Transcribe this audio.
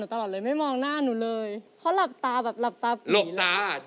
ใช่หลับตาผมกลัวผมกลัว